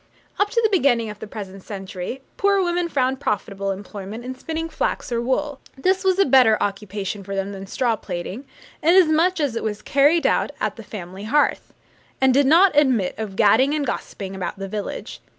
Up to the beginning of the present century, poor women found profitable employment in spinning flax or wool. This was a better occupation for them than straw plaiting, inasmuch as it was carried on at the family hearth, and did not admit of gadding and gossiping about the village.